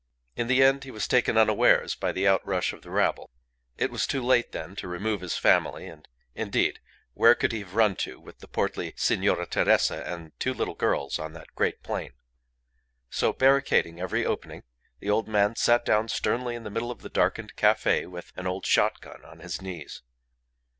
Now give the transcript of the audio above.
In the end he was taken unawares by the out rush of the rabble. It was too late then to remove his family, and, indeed, where could he have run to with the portly Signora Teresa and two little girls on that great plain? So, barricading every opening, the old man sat down sternly in the middle of the darkened cafe with an old shot gun on his knees.